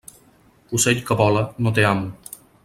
Ocell que vola, no té amo.